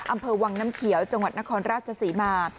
อำเภอวังน้ำเขียวจังหวัดนครราชศรีมา